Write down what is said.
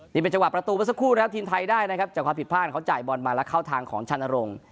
นี่เป็นจังหวะประตูเมื่อสักครู่นะครับทีมไทยได้นะครับจากความผิดพลาดเขาจ่ายบอลมาแล้วเข้าทางของชันนรงค์